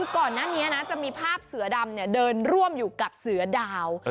ก่อนหน้านี้นะจะมีภาพเสือดำเดินร่วมอยู่กับเสือดาว